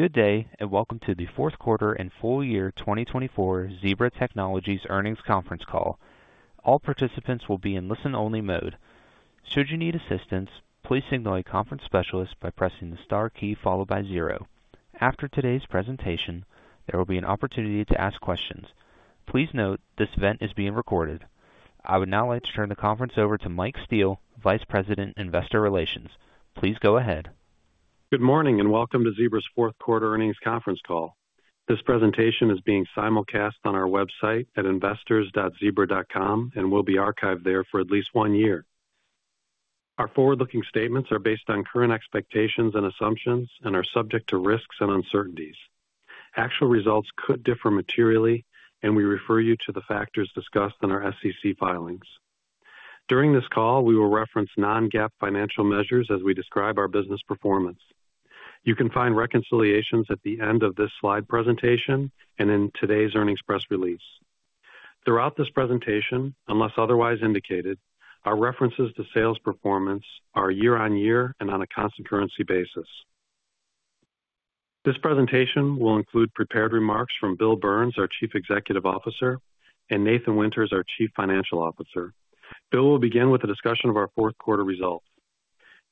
Good day, and welcome to the Fourth Quarter and Full Year 2024 Zebra Technologies Earnings Conference Call. All participants will be in listen-only mode. Should you need assistance, please signal a conference specialist by pressing the star key followed by zero. After today's presentation, there will be an opportunity to ask questions. Please note this event is being recorded. I would now like to turn the conference over to Mike Steele, Vice President, Investor Relations. Please go ahead. Good morning, and welcome to Zebra's fourth quarter earnings conference call. This presentation is being simulcast on our website at investors.zebra.com and will be archived there for at least one year. Our forward-looking statements are based on current expectations and assumptions and are subject to risks and uncertainties. Actual results could differ materially, and we refer you to the factors discussed in our SEC filings. During this call, we will reference Non-GAAP financial measures as we describe our business performance. You can find reconciliations at the end of this slide presentation and in today's earnings press release. Throughout this presentation, unless otherwise indicated, our references to sales performance are year-on-year and on a constant currency basis. This presentation will include prepared remarks from Bill Burns, our Chief Executive Officer, and Nathan Winters, our Chief Financial Officer. Bill will begin with a discussion of our fourth quarter results.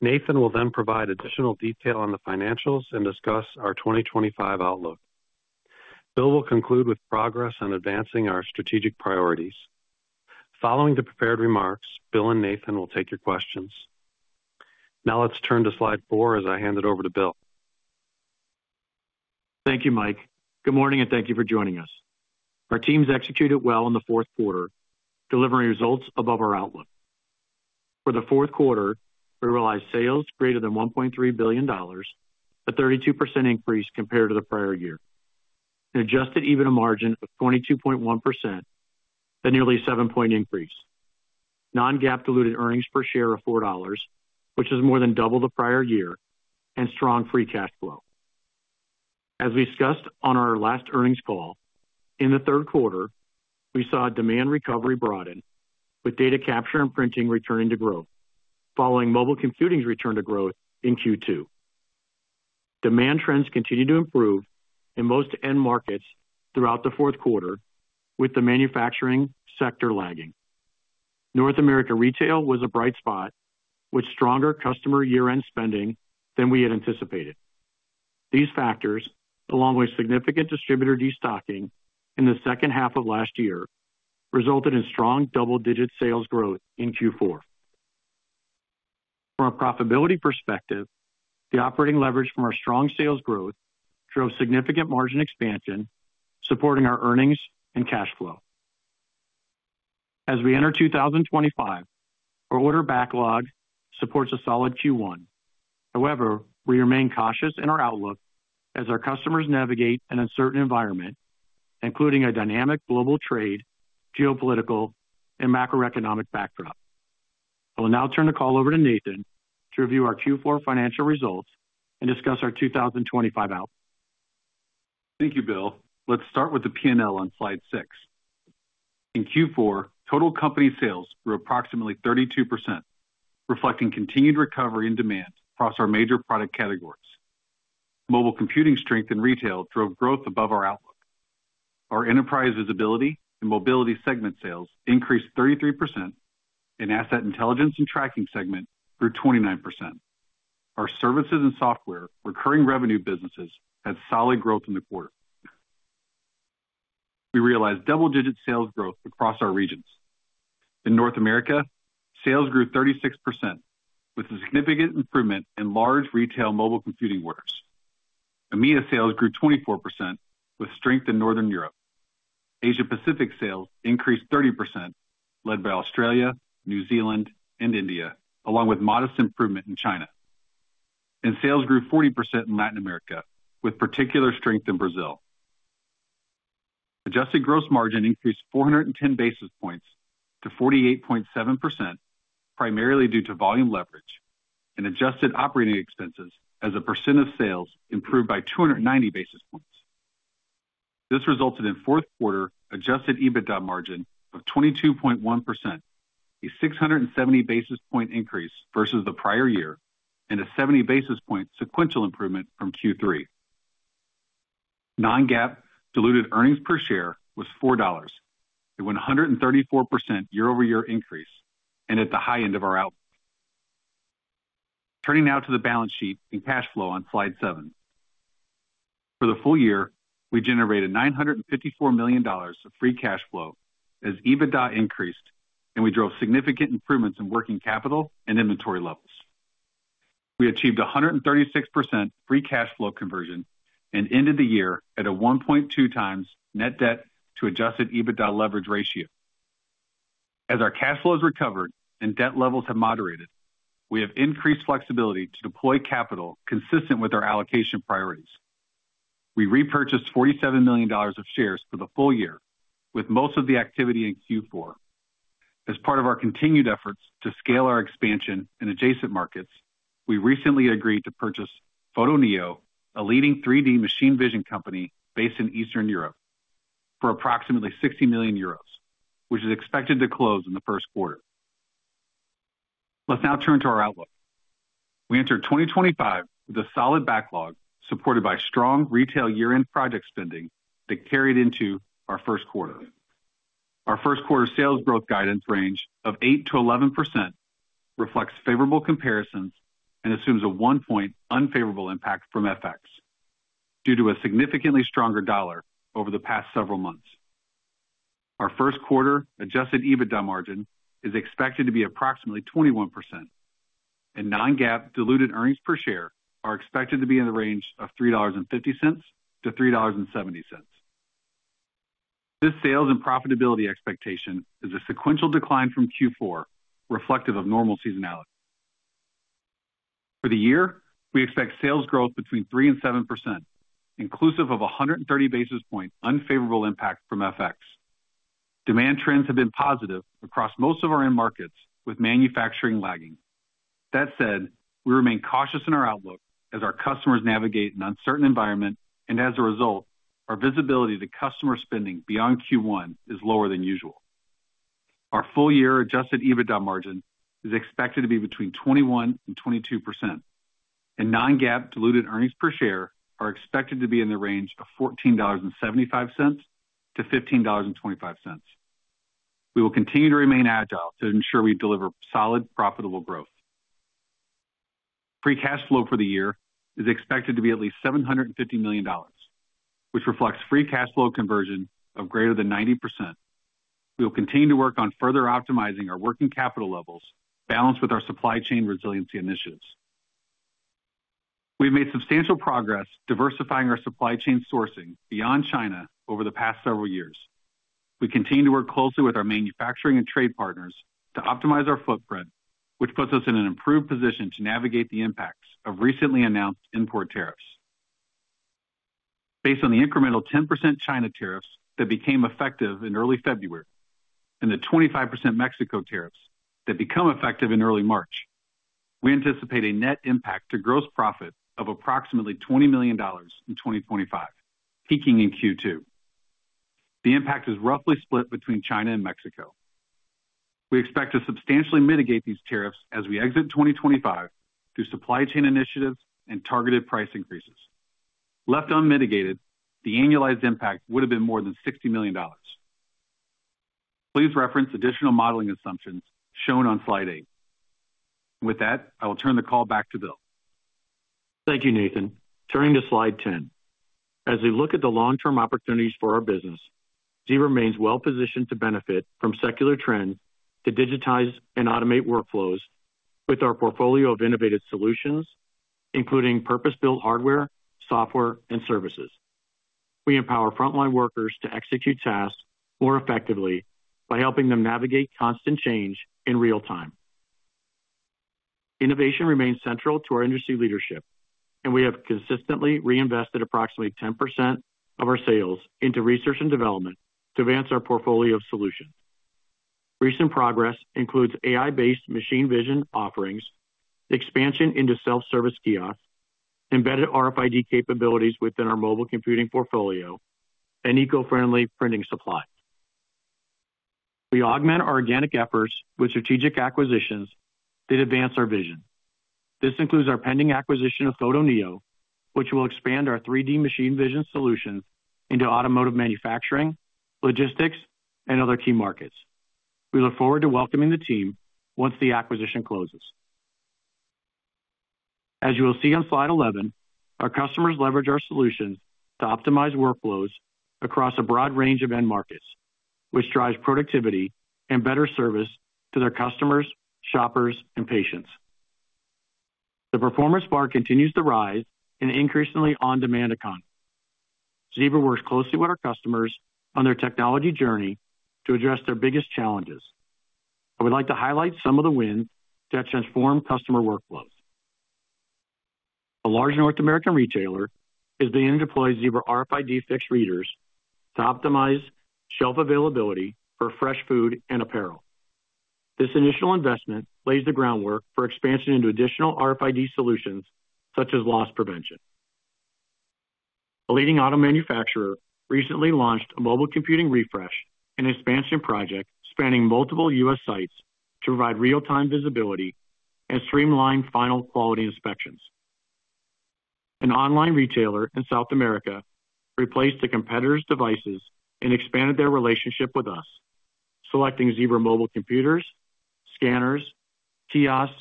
Nathan will then provide additional detail on the financials and discuss our 2025 outlook. Bill will conclude with progress on advancing our strategic priorities. Following the prepared remarks, Bill and Nathan will take your questions. Now let's turn to slide four as I hand it over to Bill. Thank you, Mike. Good morning, and thank you for joining us. Our teams executed well in the fourth quarter, delivering results above our outlook. For the fourth quarter, we realized sales greater than $1.3 billion, a 32% increase compared to the prior year, and adjusted EBITDA margin of 22.1%, a nearly seven-point increase. Non-GAAP diluted earnings per share are $4, which is more than double the prior year, and strong free cash flow. As we discussed on our last earnings call, in the third quarter, we saw demand recovery broaden, with data capture and printing returning to growth, following mobile computing's return to growth in Q2. Demand trends continued to improve in most end markets throughout the fourth quarter, with the manufacturing sector lagging. North America retail was a bright spot, with stronger customer year-end spending than we had anticipated. These factors, along with significant distributor destocking in the second half of last year, resulted in strong double-digit sales growth in Q4. From a profitability perspective, the operating leverage from our strong sales growth drove significant margin expansion, supporting our earnings and cash flow. As we enter 2025, our order backlog supports a solid Q1. However, we remain cautious in our outlook as our customers navigate an uncertain environment, including a dynamic global trade, geopolitical, and macroeconomic backdrop. I will now turn the call over to Nathan to review our Q4 financial results and discuss our 2025 outlook. Thank you, Bill. Let's start with the P&L on slide six. In Q4, total company sales grew approximately 32%, reflecting continued recovery in demand across our major product categories. Mobile computing strength in retail drove growth above our outlook. Our Enterprise Visibility and Mobility segment sales increased 33%, and Asset Intelligence and Tracking segment grew 29%. Our services and software recurring revenue businesses had solid growth in the quarter. We realized double-digit sales growth across our regions. In North America, sales grew 36%, with a significant improvement in large retail mobile computing orders. EMEA sales grew 24%, with strength in Northern Europe. Asia-Pacific sales increased 30%, led by Australia, New Zealand, and India, along with modest improvement in China, and sales grew 40% in Latin America, with particular strength in Brazil. Adjusted gross margin increased 410 basis points to 48.7%, primarily due to volume leverage, and adjusted operating expenses as a percent of sales improved by 290 basis points. This resulted in fourth quarter adjusted EBITDA margin of 22.1%, a 670 basis point increase versus the prior year, and a 70 basis point sequential improvement from Q3. Non-GAAP diluted earnings per share was $4, a 134% year-over-year increase, and at the high end of our outlook. Turning now to the balance sheet and cash flow on slide seven. For the full year, we generated $954 million of free cash flow as EBITDA increased, and we drove significant improvements in working capital and inventory levels. We achieved 136% free cash flow conversion and ended the year at a 1.2 times net debt to adjusted EBITDA leverage ratio. As our cash flows recovered and debt levels have moderated, we have increased flexibility to deploy capital consistent with our allocation priorities. We repurchased $47 million of shares for the full year, with most of the activity in Q4. As part of our continued efforts to scale our expansion in adjacent markets, we recently agreed to purchase Photoneo, a leading 3D machine vision company based in Eastern Europe, for approximately €60 million, which is expected to close in the first quarter. Let's now turn to our outlook. We entered 2025 with a solid backlog supported by strong retail year-end project spending that carried into our first quarter. Our first quarter sales growth guidance range of 8%-11% reflects favorable comparisons and assumes a one-point unfavorable impact from FX due to a significantly stronger dollar over the past several months. Our first quarter adjusted EBITDA margin is expected to be approximately 21%, and non-GAAP diluted earnings per share are expected to be in the range of $3.50 to $3.70. This sales and profitability expectation is a sequential decline from Q4, reflective of normal seasonality. For the year, we expect sales growth between 3% and 7%, inclusive of a 130 basis points unfavorable impact from FX. Demand trends have been positive across most of our end markets, with manufacturing lagging. That said, we remain cautious in our outlook as our customers navigate an uncertain environment, and as a result, our visibility to customer spending beyond Q1 is lower than usual. Our full-year adjusted EBITDA margin is expected to be between 21% and 22%, and non-GAAP diluted earnings per share are expected to be in the range of $14.75 to $15.25. We will continue to remain agile to ensure we deliver solid, profitable growth. Free cash flow for the year is expected to be at least $750 million, which reflects free cash flow conversion of greater than 90%. We will continue to work on further optimizing our working capital levels balanced with our supply chain resiliency initiatives. We have made substantial progress diversifying our supply chain sourcing beyond China over the past several years. We continue to work closely with our manufacturing and trade partners to optimize our footprint, which puts us in an improved position to navigate the impacts of recently announced import tariffs. Based on the incremental 10% China tariffs that became effective in early February and the 25% Mexico tariffs that become effective in early March, we anticipate a net impact to gross profit of approximately $20 million in 2025, peaking in Q2. The impact is roughly split between China and Mexico. We expect to substantially mitigate these tariffs as we exit 2025 through supply chain initiatives and targeted price increases. Left unmitigated, the annualized impact would have been more than $60 million. Please reference additional modeling assumptions shown on slide eight. With that, I will turn the call back to Bill. Thank you, Nathan. Turning to slide 10, as we look at the long-term opportunities for our business, Zebra remains well-positioned to benefit from secular trends to digitize and automate workflows with our portfolio of innovative solutions, including purpose-built hardware, software, and services. We empower frontline workers to execute tasks more effectively by helping them navigate constant change in real time. Innovation remains central to our industry leadership, and we have consistently reinvested approximately 10% of our sales into research and development to advance our portfolio of solutions. Recent progress includes AI-based machine vision offerings, expansion into self-service kiosks, embedded RFID capabilities within our mobile computing portfolio, and eco-friendly printing supplies. We augment our organic efforts with strategic acquisitions that advance our vision. This includes our pending acquisition of Photoneo, which will expand our 3D machine vision solutions into automotive manufacturing, logistics, and other key markets. We look forward to welcoming the team once the acquisition closes. As you will see on slide 11, our customers leverage our solutions to optimize workflows across a broad range of end markets, which drives productivity and better service to their customers, shoppers, and patients. The performance bar continues to rise in an increasingly on-demand economy. Zebra works closely with our customers on their technology journey to address their biggest challenges. I would like to highlight some of the wins that transform customer workflows. A large North American retailer is beginning to deploy Zebra RFID fixed readers to optimize shelf availability for fresh food and apparel. This initial investment lays the groundwork for expansion into additional RFID solutions such as loss prevention. A leading auto manufacturer recently launched a mobile computing refresh and expansion project spanning multiple U.S. sites to provide real-time visibility and streamline final quality inspections. An online retailer in South America replaced a competitor's devices and expanded their relationship with us, selecting Zebra mobile computers, scanners, kiosks,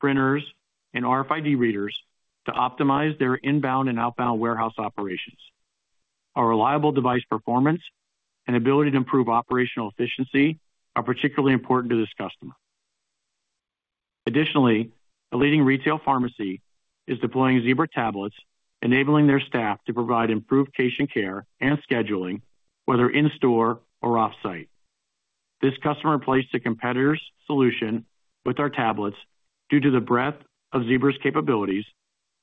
printers, and RFID readers to optimize their inbound and outbound warehouse operations. Our reliable device performance and ability to improve operational efficiency are particularly important to this customer. Additionally, a leading retail pharmacy is deploying Zebra tablets, enabling their staff to provide improved patient care and scheduling, whether in store or off-site. This customer replaced a competitor's solution with our tablets due to the breadth of Zebra's capabilities,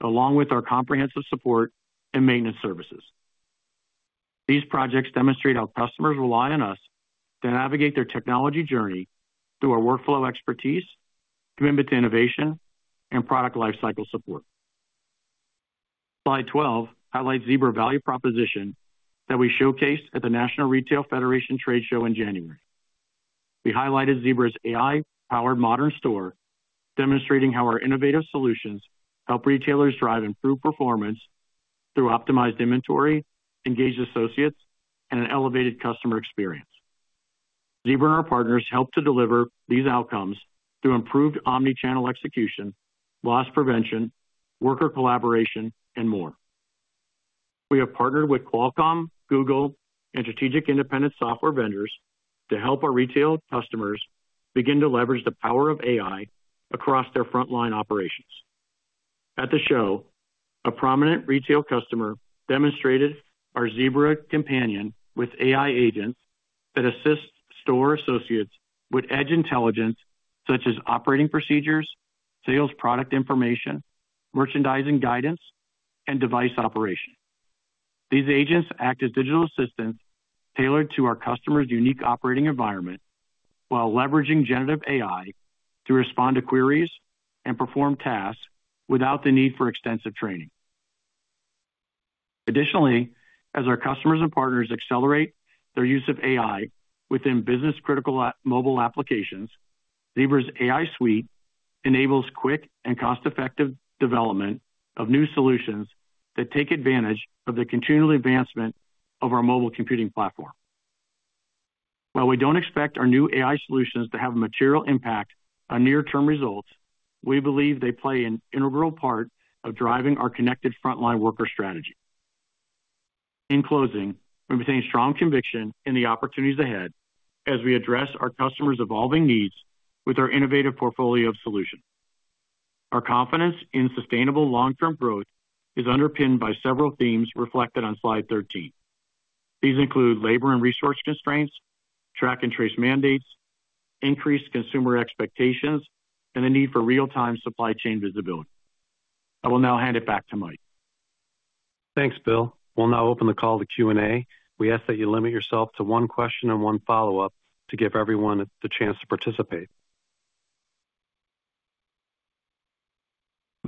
along with our comprehensive support and maintenance services. These projects demonstrate how customers rely on us to navigate their technology journey through our workflow expertise, commitment to innovation, and product lifecycle support. Slide 12 highlights Zebra's value proposition that we showcased at the National Retail Federation Trade Show in January. We highlighted Zebra's AI-powered Modern Store, demonstrating how our innovative solutions help retailers drive improved performance through optimized inventory, engaged associates, and an elevated customer experience. Zebra and our partners help to deliver these outcomes through improved omnichannel execution, loss prevention, worker collaboration, and more. We have partnered with Qualcomm, Google, and strategic independent software vendors to help our retail customers begin to leverage the power of AI across their frontline operations. At the show, a prominent retail customer demonstrated our Zebra Companion with AI agents that assist store associates with edge intelligence such as operating procedures, sales product information, merchandising guidance, and device operation. These agents act as digital assistants tailored to our customer's unique operating environment while leveraging generative AI to respond to queries and perform tasks without the need for extensive training. Additionally, as our customers and partners accelerate their use of AI within business-critical mobile applications, Zebra's AI suite enables quick and cost-effective development of new solutions that take advantage of the continual advancement of our mobile computing platform. While we don't expect our new AI solutions to have a material impact on near-term results, we believe they play an integral part of driving our connected frontline worker strategy. In closing, we maintain strong conviction in the opportunities ahead as we address our customers' evolving needs with our innovative portfolio of solutions. Our confidence in sustainable long-term growth is underpinned by several themes reflected on slide 13. These include labor and resource constraints, track and trace mandates, increased consumer expectations, and the need for real-time supply chain visibility. I will now hand it back to Mike. Thanks, Bill. We'll now open the call to Q&A. We ask that you limit yourself to one question and one follow-up to give everyone the chance to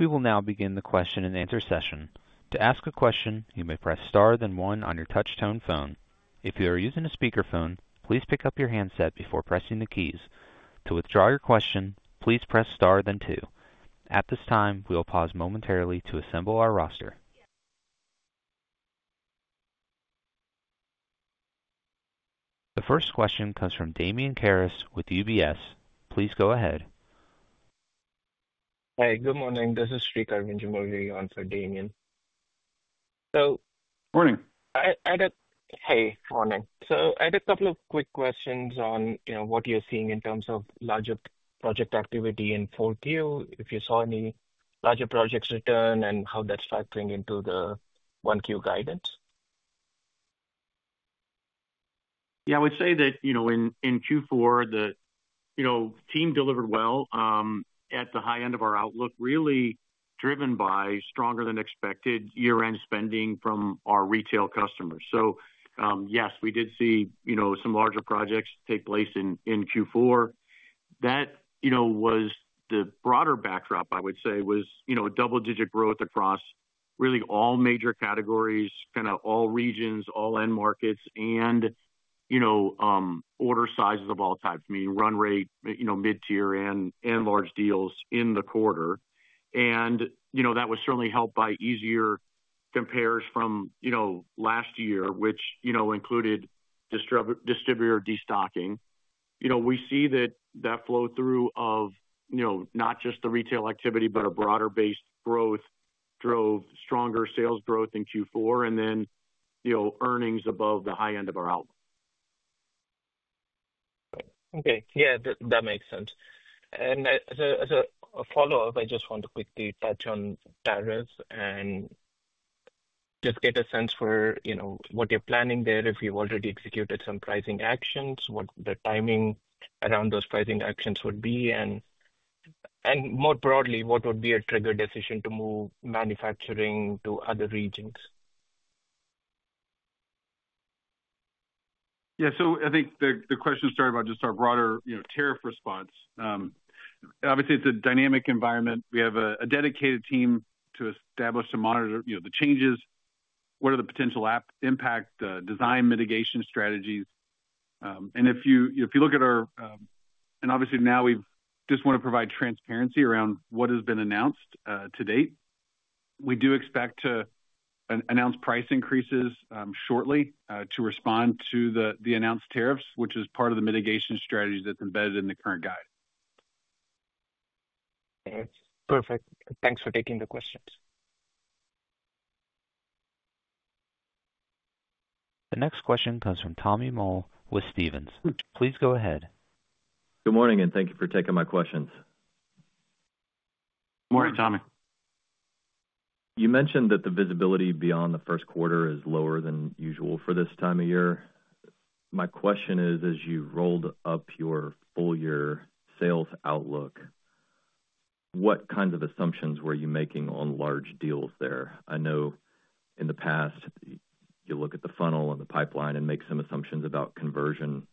participate. We will now begin the question and answer session. To ask a question, you may press star then one on your touch-tone phone. If you are using a speakerphone, please pick up your handset before pressing the keys. To withdraw your question, please press star then two. At this time, we will pause momentarily to assemble our roster. The first question comes from Damian Karas with UBS. Please go ahead. Hey, good morning. This is Srikar Vindjamuri on for Damian. Morning. Hey, good morning. So I have a couple of quick questions on what you're seeing in terms of larger project activity in Q4, if you saw any larger projects return, and how that's factoring into the Q1 guidance. Yeah, I would say that in Q4, the team delivered well at the high end of our outlook, really driven by stronger-than-expected year-end spending from our retail customers, so yes, we did see some larger projects take place in Q4. That was the broader backdrop, I would say, was double-digit growth across really all major categories, kind of all regions, all end markets, and order sizes of all types, meaning run rate, mid-tier, and large deals in the quarter, and that was certainly helped by easier compares from last year, which included distributor destocking. We see that flow-through of not just the retail activity, but a broader-based growth drove stronger sales growth in Q4 and then earnings above the high end of our outlook. Okay. Yeah, that makes sense. And as a follow-up, I just want to quickly touch on tariffs and just get a sense for what you're planning there, if you've already executed some pricing actions, what the timing around those pricing actions would be, and more broadly, what would be a trigger decision to move manufacturing to other regions? Yeah, so I think the question started about just our broader tariff response. Obviously, it's a dynamic environment. We have a dedicated team to establish and monitor the changes, what are the potential impact, design mitigation strategies. And if you look at our—and obviously now we just want to provide transparency around what has been announced to date. We do expect to announce price increases shortly to respond to the announced tariffs, which is part of the mitigation strategy that's embedded in the current guide. Perfect. Thanks for taking the questions. The next question comes from Tommy Moll with Stephens. Please go ahead. Good morning, and thank you for taking my questions. Good morning, Tommy. You mentioned that the visibility beyond the first quarter is lower than usual for this time of year. My question is, as you rolled up your full-year sales outlook, what kinds of assumptions were you making on large deals there? I know in the past, you look at the funnel and the pipeline and make some assumptions about conversion.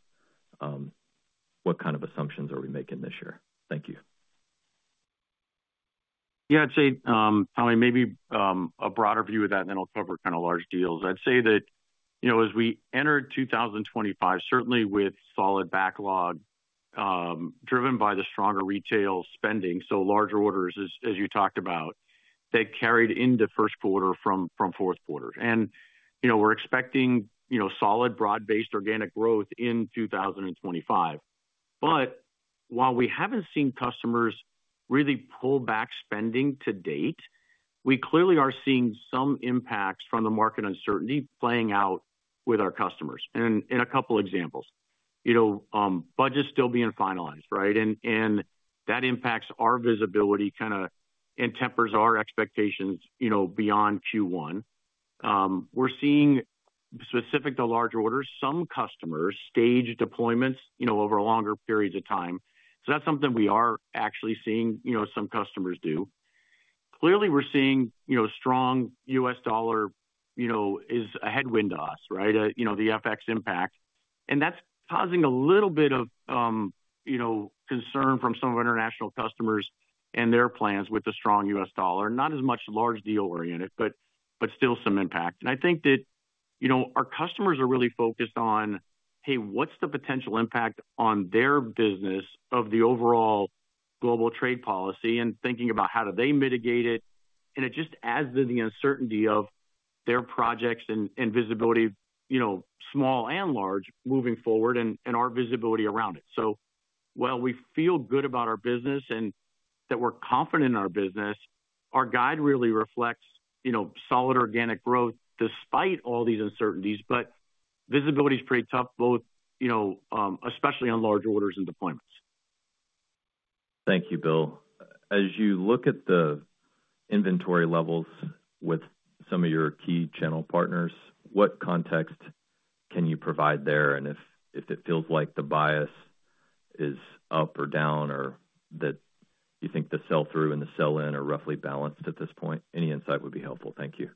What kind of assumptions are we making this year? Thank you. Yeah, I'd say, Tommy, maybe a broader view of that, and then I'll cover kind of large deals. I'd say that as we entered 2025, certainly with solid backlog driven by the stronger retail spending, so larger orders, as you talked about, that carried into first quarter from fourth quarter. And we're expecting solid, broad-based organic growth in 2025. But while we haven't seen customers really pull back spending to date, we clearly are seeing some impacts from the market uncertainty playing out with our customers. And in a couple of examples, budgets still being finalized, right? And that impacts our visibility kind of and tempers our expectations beyond Q1. We're seeing, specific to large orders, some customers stage deployments over longer periods of time. So that's something we are actually seeing some customers do. Clearly, we're seeing strong U.S. dollar is a headwind to us, right? The FX impact. And that's causing a little bit of concern from some of our international customers and their plans with the strong U.S. dollar, not as much large deal-oriented, but still some impact. And I think that our customers are really focused on, hey, what's the potential impact on their business of the overall global trade policy and thinking about how do they mitigate it? And it just adds to the uncertainty of their projects and visibility, small and large, moving forward and our visibility around it. So while we feel good about our business and that we're confident in our business, our guide really reflects solid organic growth despite all these uncertainties, but visibility is pretty tough, especially on large orders and deployments. Thank you, Bill. As you look at the inventory levels with some of your key channel partners, what context can you provide there? And if it feels like the bias is up or down or that you think the sell-through and the sell-in are roughly balanced at this point, any insight would be helpful. Thank you.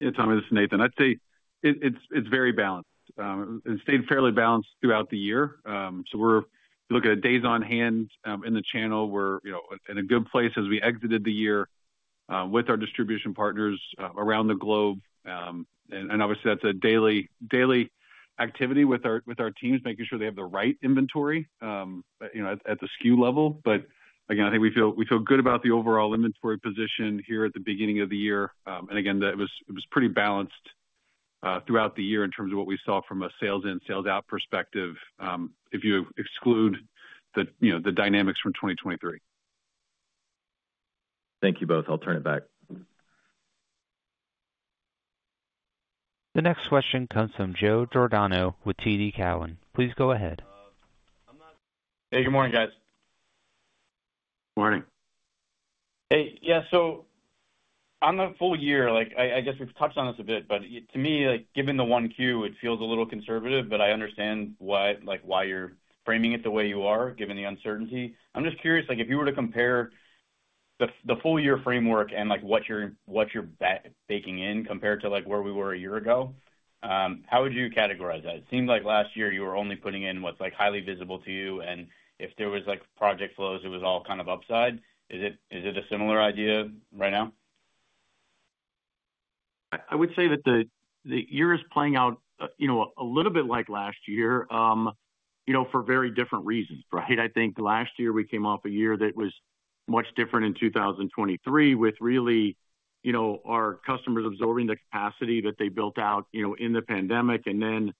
Yeah, Tommy, this is Nathan. I'd say it's very balanced. It stayed fairly balanced throughout the year. So we're looking at days on hand in the channel. We're in a good place as we exited the year with our distribution partners around the globe. And obviously, that's a daily activity with our teams, making sure they have the right inventory at the SKU level. But again, I think we feel good about the overall inventory position here at the beginning of the year. And again, it was pretty balanced throughout the year in terms of what we saw from a sales-in, sales-out perspective if you exclude the dynamics from 2023. Thank you both. I'll turn it back. The next question comes from Joe Giordano with TD Cowen. Please go ahead. Hey, good morning, guys. Morning. Hey, yeah, so on the full year, I guess we've touched on this a bit, but to me, given the 1Q, it feels a little conservative, but I understand why you're framing it the way you are, given the uncertainty. I'm just curious, if you were to compare the full-year framework and what you're baking in compared to where we were a year ago, how would you categorize that? It seemed like last year you were only putting in what's highly visible to you, and if there were project flows, it was all kind of upside. Is it a similar idea right now? I would say that the year is playing out a little bit like last year for very different reasons, right? I think last year we came off a year that was much different in 2023 with really our customers absorbing the capacity that they built out in the pandemic, and then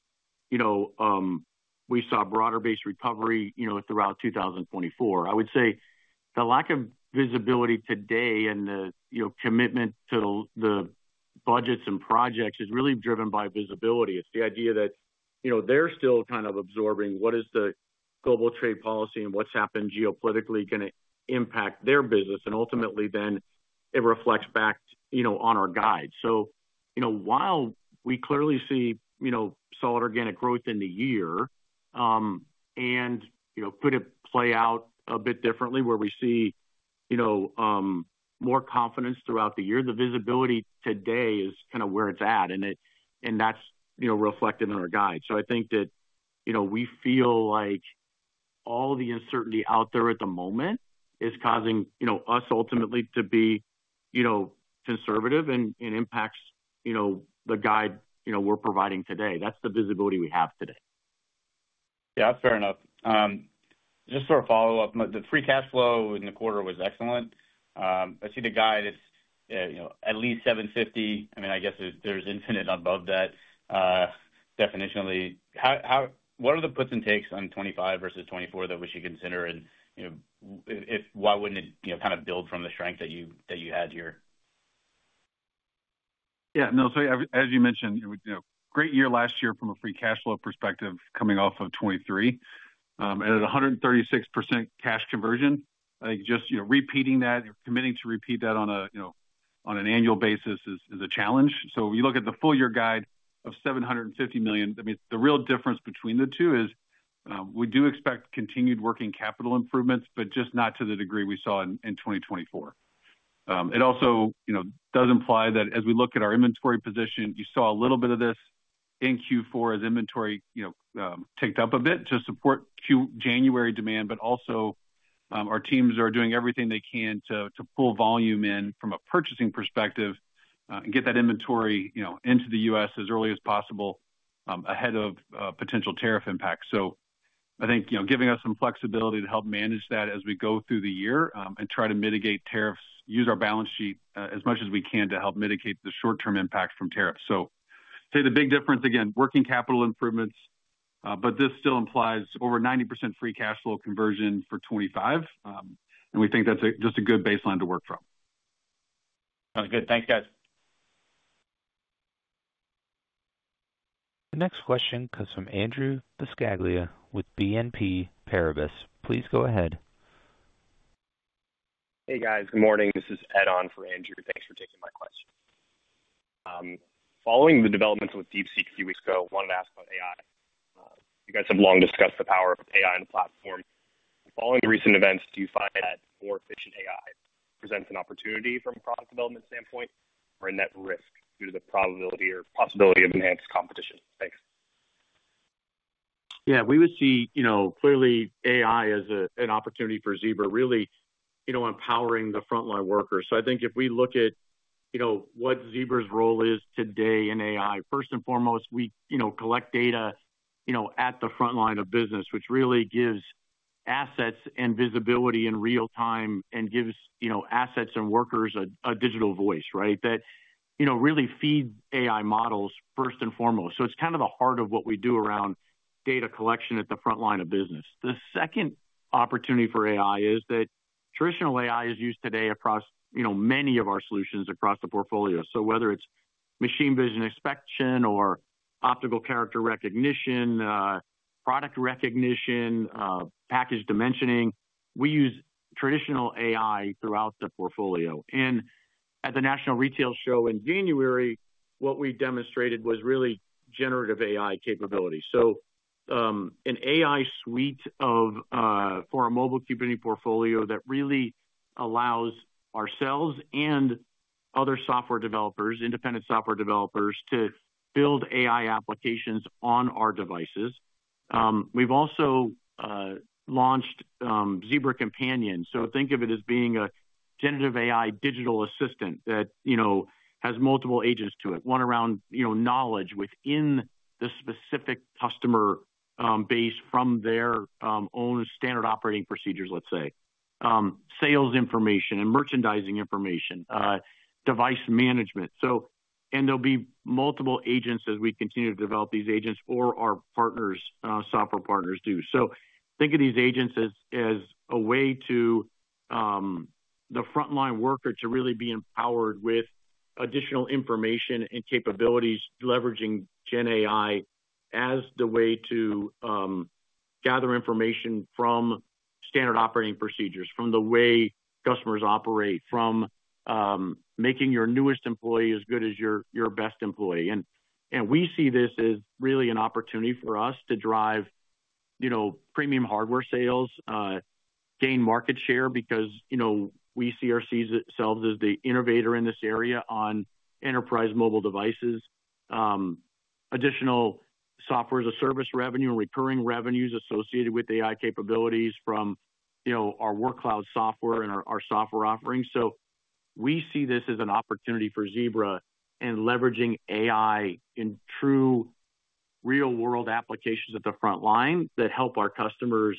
we saw broader-based recovery throughout 2024. I would say the lack of visibility today and the commitment to the budgets and projects is really driven by visibility. It's the idea that they're still kind of absorbing what is the global trade policy and what's happened geopolitically can impact their business, and ultimately then it reflects back on our guide. So while we clearly see solid organic growth in the year and could it play out a bit differently where we see more confidence throughout the year, the visibility today is kind of where it's at, and that's reflected in our guide. So I think that we feel like all the uncertainty out there at the moment is causing us ultimately to be conservative and impacts the guide we're providing today. That's the visibility we have today. Yeah, that's fair enough. Just for a follow-up, the free cash flow in the quarter was excellent. I see the guide as at least 750. I mean, I guess there's infinite above that definitionally. What are the puts and takes on 25 versus 24 that we should consider? And why wouldn't it kind of build from the strength that you had here? Yeah, no, so as you mentioned, great year last year from a free cash flow perspective coming off of 2023. At a 136% cash conversion, I think just repeating that and committing to repeat that on an annual basis is a challenge. So if you look at the full-year guide of $750 million, I mean, the real difference between the two is we do expect continued working capital improvements, but just not to the degree we saw in 2024. It also does imply that as we look at our inventory position, you saw a little bit of this in Q4 as inventory ticked up a bit to support January demand, but also our teams are doing everything they can to pull volume in from a purchasing perspective and get that inventory into the U.S. as early as possible ahead of potential tariff impacts. So I think giving us some flexibility to help manage that as we go through the year and try to mitigate tariffs, use our balance sheet as much as we can to help mitigate the short-term impact from tariffs. So I'd say the big difference, again, working capital improvements, but this still implies over 90% free cash flow conversion for 2025, and we think that's just a good baseline to work from. Sounds good. Thanks, guys. The next question comes from Andrew Buscaglia with BNP Paribas. Please go ahead. Hey, guys. Good morning. This is Ed on for Andrew. Thanks for taking my question. Following the developments with DeepSeek a few weeks ago, I wanted to ask about AI. You guys have long discussed the power of AI and the platform. Following the recent events, do you find that more efficient AI presents an opportunity from a product development standpoint or a net risk due to the probability or possibility of enhanced competition? Thanks. Yeah, we would see clearly AI as an opportunity for Zebra really empowering the frontline workers. So I think if we look at what Zebra's role is today in AI, first and foremost, we collect data at the frontline of business, which really gives assets and visibility in real time and gives assets and workers a digital voice, right? That really feeds AI models first and foremost. So it's kind of the heart of what we do around data collection at the frontline of business. The second opportunity for AI is that traditional AI is used today across many of our solutions across the portfolio. So whether it's machine vision inspection or optical character recognition, product recognition, package dimensioning, we use traditional AI throughout the portfolio. And at the National Retail Show in January, what we demonstrated was really generative AI capability. So an AI suite for our mobile computing portfolio that really allows ourselves and other software developers, independent software developers, to build AI applications on our devices. We've also launched Zebra Companion. So think of it as being a generative AI digital assistant that has multiple agents to it, one around knowledge within the specific customer base from their own standard operating procedures, let's say, sales information and merchandising information, device management. And there'll be multiple agents as we continue to develop these agents or our partners, software partners do. So think of these agents as a way to the frontline worker to really be empowered with additional information and capabilities, leveraging GenAI as the way to gather information from standard operating procedures, from the way customers operate, from making your newest employee as good as your best employee. We see this as really an opportunity for us to drive premium hardware sales, gain market share because we see ourselves as the innovator in this area on enterprise mobile devices, additional software as a service revenue, and recurring revenues associated with AI capabilities from our Workcloud software and our software offering. We see this as an opportunity for Zebra and leveraging AI in true real-world applications at the frontline that help our customers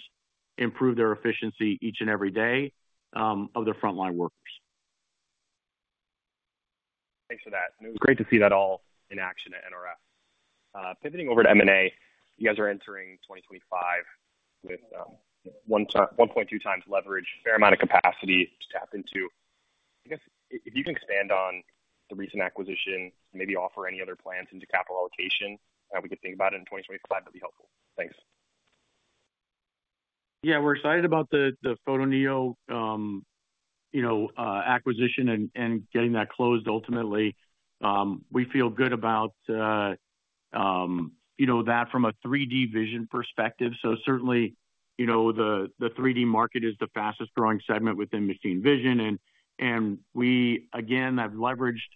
improve their efficiency each and every day of the frontline workers. Thanks for that. It was great to see that all in action at NRF. Pivoting over to M&A, you guys are entering 2025 with 1.2 times leverage, a fair amount of capacity to tap into. I guess if you can expand on the recent acquisition, maybe offer any other plans into capital allocation, how we could think about it in 2025, that'd be helpful. Thanks. Yeah, we're excited about the Photoneo acquisition and getting that closed ultimately. We feel good about that from a 3D vision perspective. So certainly, the 3D market is the fastest growing segment within machine vision. And we, again, have leveraged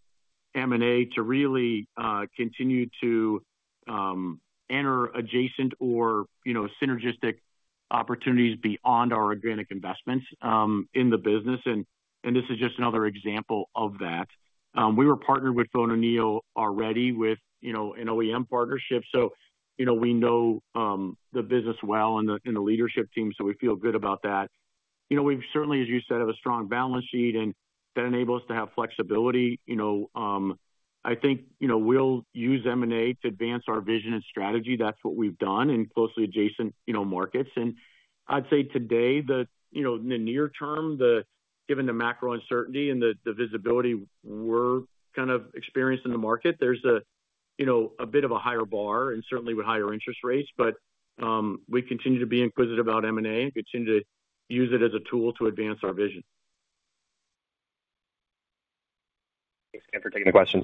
M&A to really continue to enter adjacent or synergistic opportunities beyond our organic investments in the business. And this is just another example of that. We were partnered with Photoneo already with an OEM partnership. So we know the business well and the leadership team, so we feel good about that. We certainly, as you said, have a strong balance sheet and that enables us to have flexibility. I think we'll use M&A to advance our vision and strategy. That's what we've done in closely adjacent markets. I'd say today, in the near term, given the macro uncertainty and the visibility we're kind of experiencing in the market, there's a bit of a higher bar and certainly with higher interest rates, but we continue to be inquisitive about M&A and continue to use it as a tool to advance our vision. Thanks, Ken, for taking the questions.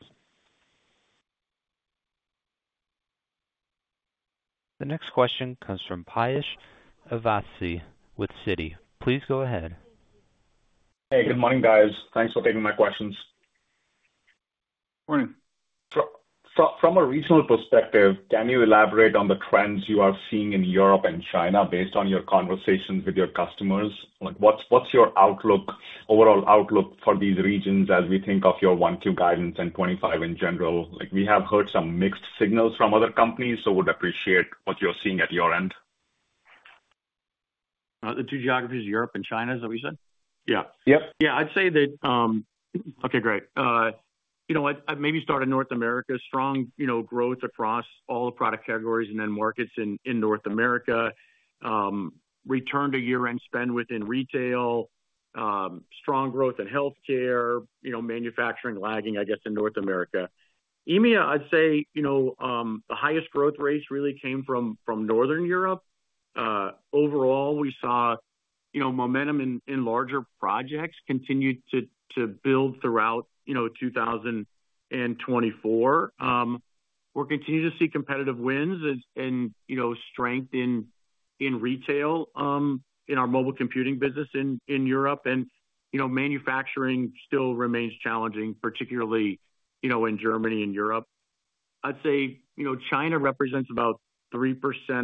The next question comes from Piyush Avasthi with Citi. Please go ahead. Hey, good morning, guys. Thanks for taking my questions. Morning. From a regional perspective, can you elaborate on the trends you are seeing in Europe and China based on your conversations with your customers? What's your overall outlook for these regions as we think of your one-year guidance and 2025 in general? We have heard some mixed signals from other companies, so we'd appreciate what you're seeing at your end. The two geographies of Europe and China, is that what you said? Yeah. Yep. Yeah, I'd say that. Okay, great. I'd maybe start in North America. Strong growth across all the product categories and then markets in North America. Return to year-end spend within retail. Strong growth in healthcare. Manufacturing lagging, I guess, in North America. EMEA, I'd say the highest growth rates really came from Northern Europe. Overall, we saw momentum in larger projects continue to build throughout 2024. We're continuing to see competitive wins and strength in retail in our mobile computing business in Europe, and manufacturing still remains challenging, particularly in Germany and Europe. I'd say China represents about 3%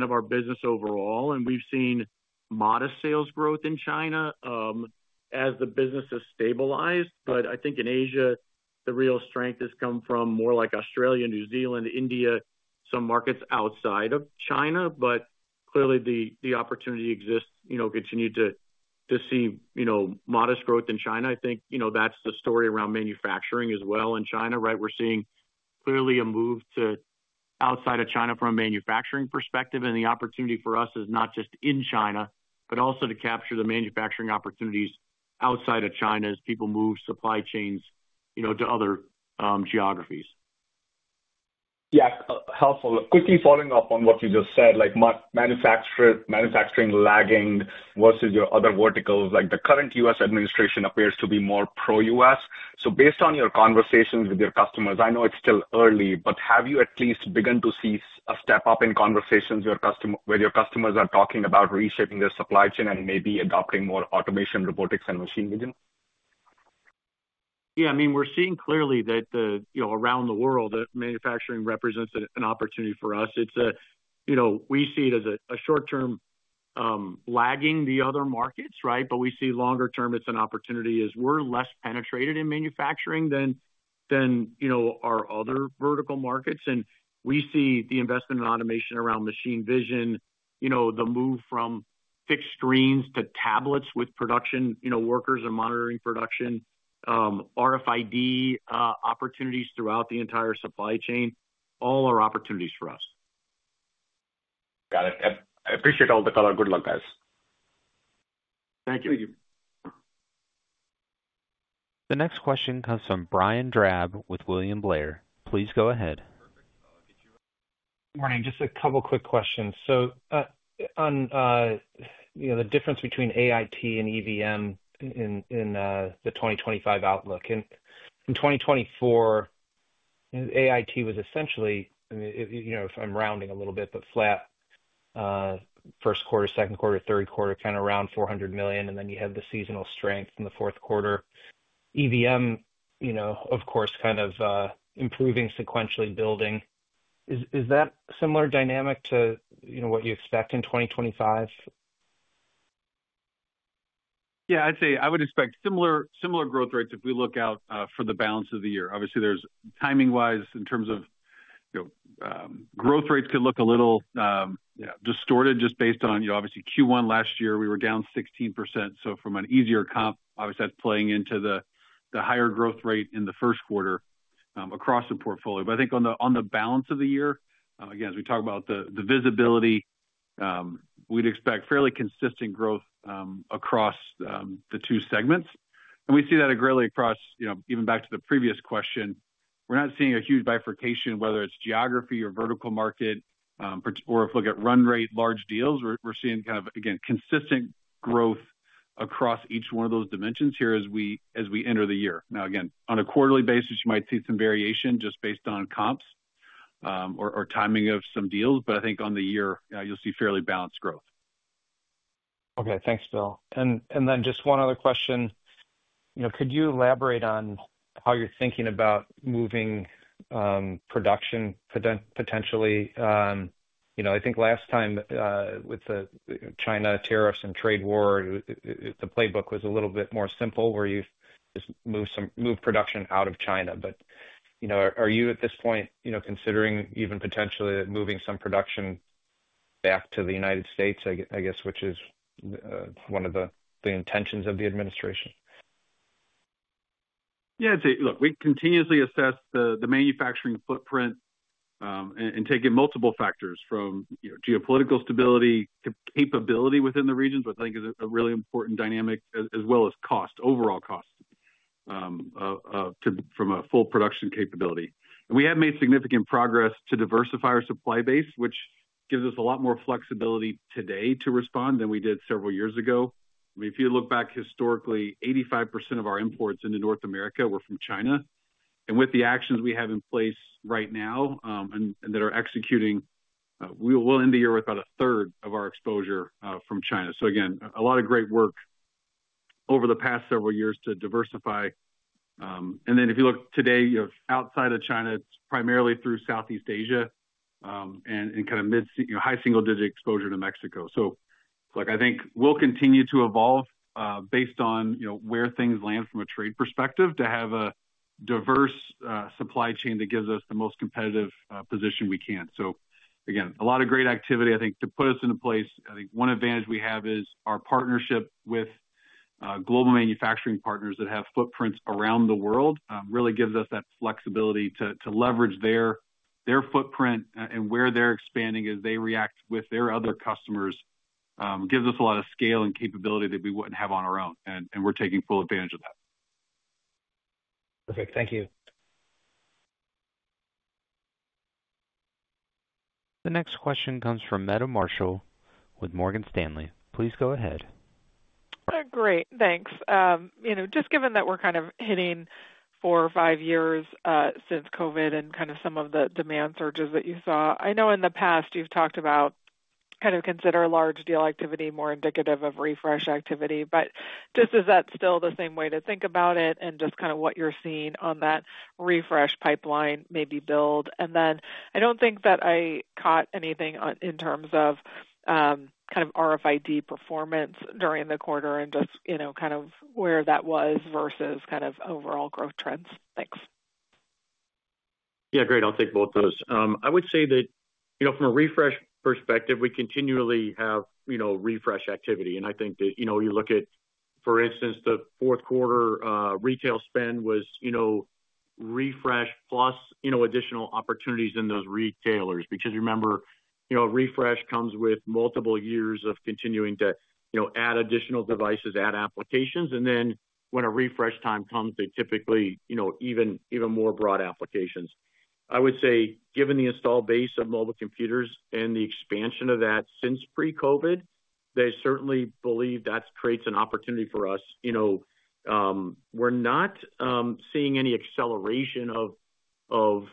of our business overall, and we've seen modest sales growth in China as the business has stabilized. But I think in Asia, the real strength has come from more like Australia, New Zealand, India, some markets outside of China. But clearly, the opportunity exists. Continue to see modest growth in China. I think that's the story around manufacturing as well in China, right? We're seeing clearly a move to outside of China from a manufacturing perspective. And the opportunity for us is not just in China, but also to capture the manufacturing opportunities outside of China as people move supply chains to other geographies. Yeah, helpful. Quickly following up on what you just said, manufacturing lagging versus your other verticals, the current U.S. administration appears to be more pro-U.S. So based on your conversations with your customers, I know it's still early, but have you at least begun to see a step up in conversations where your customers are talking about reshaping their supply chain and maybe adopting more automation, robotics, and machine vision? Yeah, I mean, we're seeing clearly that around the world, manufacturing represents an opportunity for us. We see it as a short-term lagging the other markets, right? But we see longer-term, it's an opportunity as we're less penetrated in manufacturing than our other vertical markets. And we see the investment in automation around machine vision, the move from fixed screens to tablets with production workers and monitoring production, RFID opportunities throughout the entire supply chain, all are opportunities for us. Got it. I appreciate all the color. Good luck, guys. Thank you. Thank you. The next question comes from Brian Drab with William Blair. Please go ahead. Good morning. Just a couple of quick questions. So on the difference between AIT and EVM in the 2025 outlook, in 2024, AIT was essentially, if I'm rounding a little bit, but flat first quarter, second quarter, third quarter, kind of around $400 million, and then you had the seasonal strength in the fourth quarter. EVM, of course, kind of improving sequentially building. Is that a similar dynamic to what you expect in 2025? Yeah, I'd say I would expect similar growth rates if we look out for the balance of the year. Obviously, there's, timing-wise, in terms of growth rates, could look a little distorted just based on obviously Q1 last year, we were down 16%, so from an easier comp, obviously that's playing into the higher growth rate in the first quarter across the portfolio, but I think on the balance of the year, again, as we talk about the visibility, we'd expect fairly consistent growth across the two segments, and we see that really across even back to the previous question. We're not seeing a huge bifurcation, whether it's geography or vertical market, or if we look at run rate, large deals, we're seeing kind of, again, consistent growth across each one of those dimensions here as we enter the year. Now, again, on a quarterly basis, you might see some variation just based on comps or timing of some deals. But I think on the year, you'll see fairly balanced growth. Okay. Thanks, Bill. And then just one other question. Could you elaborate on how you're thinking about moving production potentially? I think last time with the China tariffs and trade war, the playbook was a little bit more simple where you just move production out of China. But are you at this point considering even potentially moving some production back to the United States, I guess, which is one of the intentions of the administration? Yeah, I'd say, look, we continuously assess the manufacturing footprint and take in multiple factors from geopolitical stability to capability within the regions, which I think is a really important dynamic, as well as overall cost from a full production capability. And we have made significant progress to diversify our supply base, which gives us a lot more flexibility today to respond than we did several years ago. I mean, if you look back historically, 85% of our imports into North America were from China. And with the actions we have in place right now and that are executing, we'll end the year with about a third of our exposure from China. So again, a lot of great work over the past several years to diversify. And then if you look today, outside of China, it's primarily through Southeast Asia and kind of high single-digit exposure to Mexico. So I think we'll continue to evolve based on where things land from a trade perspective to have a diverse supply chain that gives us the most competitive position we can. So again, a lot of great activity, I think, to put us into place. I think one advantage we have is our partnership with global manufacturing partners that have footprints around the world really gives us that flexibility to leverage their footprint and where they're expanding as they react with their other customers, gives us a lot of scale and capability that we wouldn't have on our own. And we're taking full advantage of that. Perfect. Thank you. The next question comes from Meta Marshall with Morgan Stanley. Please go ahead. Great. Thanks. Just given that we're kind of hitting four or five years since COVID and kind of some of the demand surges that you saw, I know in the past you've talked about kind of considering large deal activity more indicative of refresh activity. But just is that still the same way to think about it and just kind of what you're seeing on that refresh pipeline maybe build? And then I don't think that I caught anything in terms of kind of RFID performance during the quarter and just kind of where that was versus kind of overall growth trends. Thanks. Yeah, great. I'll take both of those. I would say that from a refresh perspective, we continually have refresh activity, and I think that you look at, for instance, the fourth quarter retail spend was refresh plus additional opportunities in those retailers because remember, refresh comes with multiple years of continuing to add additional devices, add applications, and then when a refresh time comes, they typically even more broad applications. I would say, given the installed base of mobile computers and the expansion of that since pre-COVID, they certainly believe that creates an opportunity for us. We're not seeing any acceleration of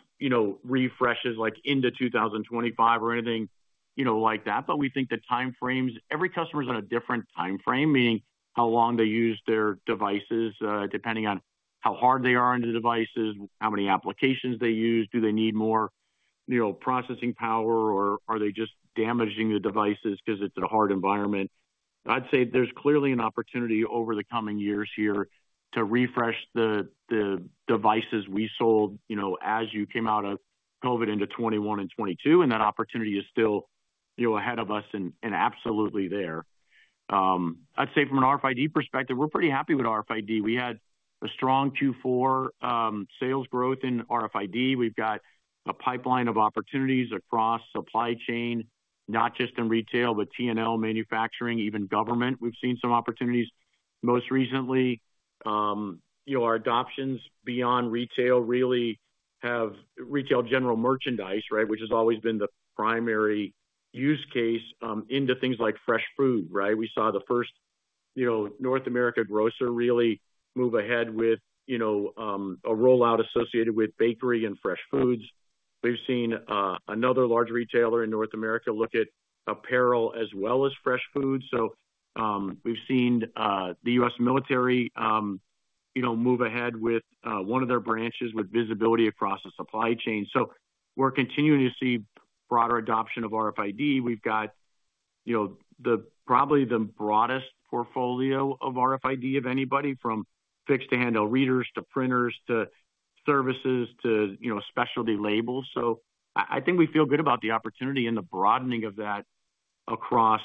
refreshes like into 2025 or anything like that. But we think the time frames, every customer is on a different time frame, meaning how long they use their devices, depending on how hard they are on the devices, how many applications they use, do they need more processing power, or are they just damaging the devices because it's a hard environment. I'd say there's clearly an opportunity over the coming years here to refresh the devices we sold as you came out of COVID into 2021 and 2022. And that opportunity is still ahead of us and absolutely there. I'd say from an RFID perspective, we're pretty happy with RFID. We had a strong Q4 sales growth in RFID. We've got a pipeline of opportunities across supply chain, not just in retail, but T&L, manufacturing, even government. We've seen some opportunities most recently. Our adoptions beyond retail really have retail general merchandise, right, which has always been the primary use case into things like fresh food, right? We saw the first North American grocer really move ahead with a rollout associated with bakery and fresh foods. We've seen another large retailer in North America look at apparel as well as fresh foods. So we've seen the U.S. military move ahead with one of their branches with visibility across the supply chain. So we're continuing to see broader adoption of RFID. We've got probably the broadest portfolio of RFID of anybody from fixed to handheld readers to printers to services to specialty labels. So I think we feel good about the opportunity and the broadening of that across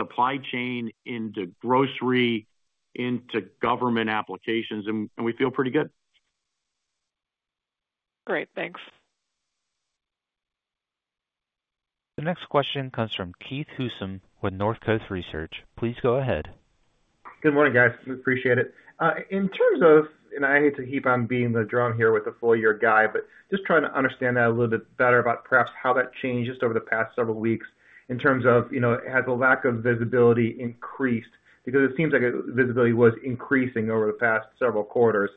supply chain into grocery, into government applications. And we feel pretty good. Great. Thanks. The next question comes from Keith Housum with Northcoast Research. Please go ahead. Good morning, guys. We appreciate it. In terms of, and I hate to keep on beating the drum here with the full-year guide, but just trying to understand that a little bit better about perhaps how that changed just over the past several weeks in terms of has the lack of visibility increased because it seems like visibility was increasing over the past several quarters.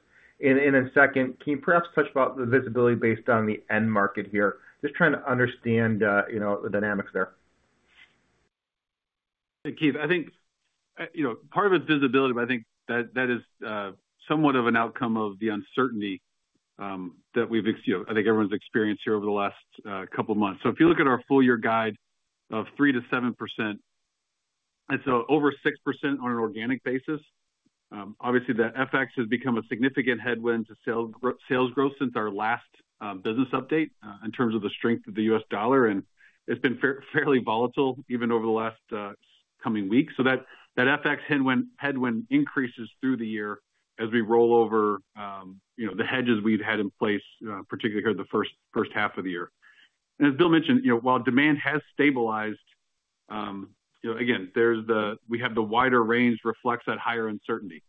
And then second, can you perhaps touch on the visibility based on the end market here? Just trying to understand the dynamics there. Keith, I think part of it's visibility, but I think that is somewhat of an outcome of the uncertainty that I think everyone's experienced here over the last couple of months. So if you look at our full year guide of 3%-7%, it's over 6% on an organic basis. Obviously, the FX has become a significant headwind to sales growth since our last business update in terms of the strength of the U.S. dollar. And it's been fairly volatile even over the last coming weeks. So that FX headwind increases through the year as we roll over the hedges we've had in place, particularly here the first half of the year. And as Bill mentioned, while demand has stabilized, again, we have the wider range reflects that higher uncertainty.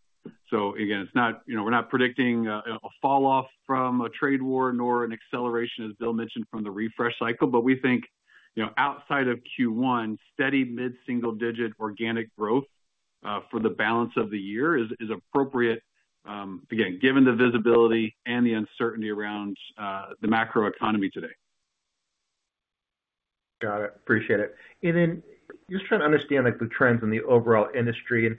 So again, we're not predicting a falloff from a trade war nor an acceleration, as Bill mentioned, from the refresh cycle. But we think outside of Q1, steady mid-single digit organic growth for the balance of the year is appropriate, again, given the visibility and the uncertainty around the macro economy today. Got it. Appreciate it. And then just trying to understand the trends in the overall industry. And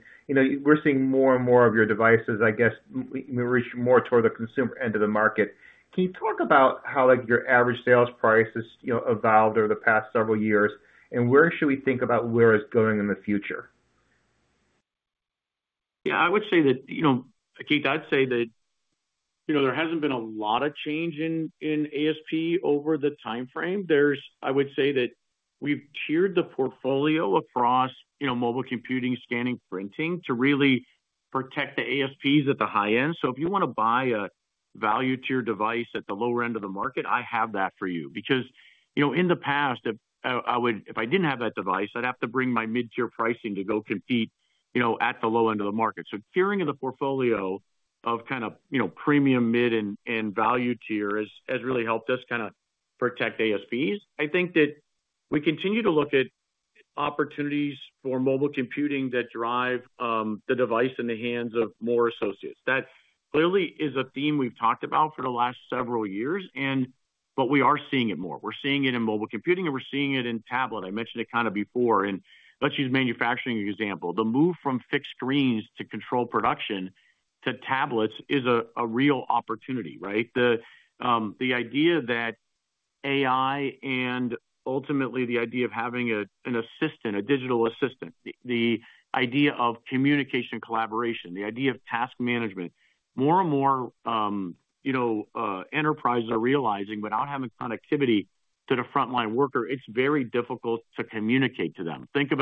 we're seeing more and more of your devices, I guess, reach more toward the consumer end of the market. Can you talk about how your average sales price has evolved over the past several years? And where should we think about where it's going in the future? Yeah, I would say that, Keith, I'd say that there hasn't been a lot of change in ASP over the time frame. I would say that we've tiered the portfolio across mobile computing, scanning, printing to really protect the ASPs at the high end. So if you want to buy a value tier device at the lower end of the market, I have that for you. Because in the past, if I didn't have that device, I'd have to bring my mid-tier pricing to go compete at the low end of the market. So tiering of the portfolio of kind of premium, mid, and value tier has really helped us kind of protect ASPs. I think that we continue to look at opportunities for mobile computing that drive the device in the hands of more associates. That clearly is a theme we've talked about for the last several years, but we are seeing it more. We're seeing it in mobile computing, and we're seeing it in tablet. I mentioned it kind of before, and let's use manufacturing as an example. The move from fixed screens to control production to tablets is a real opportunity, right? The idea that AI and ultimately the idea of having an assistant, a digital assistant, the idea of communication collaboration, the idea of task management. More and more enterprises are realizing without having connectivity to the frontline worker, it's very difficult to communicate to them. Think of